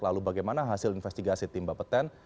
lalu bagaimana hasil investigasi tim batan